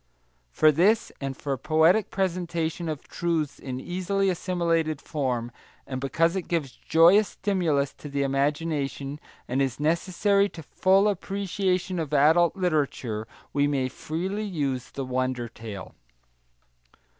For this, and for poetic presentation of truths in easily assimilated form, and because it gives joyous stimulus to the imagination, and is necessary to full appreciation of adult literature, we may freely use the wonder tale.